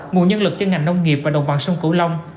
nguồn nhân lực cho ngành nông nghiệp và đồng bằng sông cửu long